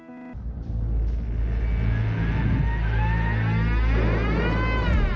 อยู่ถนนศรีหบุรานุกิจเขตมีนบุรีนะ